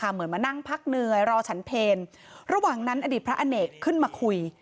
เหมือนมานั่งพักเหนื่อยรอฉันเพลระหว่างนั้นอดีตพระอเนกขึ้นมาคุย